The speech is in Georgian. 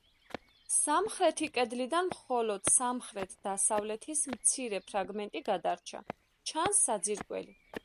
სამხრეთი კედლიდან მხოლოდ სამხრეთ-დასავლეთის მცირე ფრაგმენტი გადარჩა; ჩანს საძირკველი.